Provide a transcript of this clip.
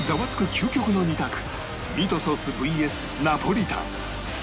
究極の２択ミートソース ＶＳ ナポリタン